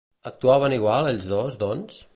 Actuaven igual ells dos, doncs?